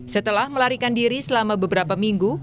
setelah melarikan diri selama beberapa minggu